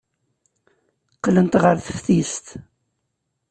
Qqlent ɣer teftist.